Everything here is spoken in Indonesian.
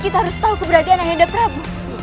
kita harus tahu keberadaan ayanda prabu